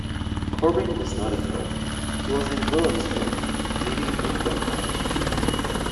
Corbin was not at home-he was in Williamsburg, meeting with Dunmore.